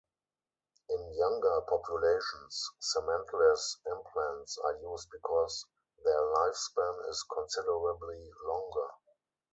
In younger populations, cementless implants are used because their lifespan is considerably longer.